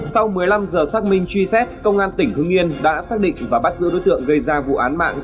sau một mươi năm giờ xác minh truy xét công an tỉnh hưng yên đã xác định và bắt giữ đối tượng gây ra vụ án mạng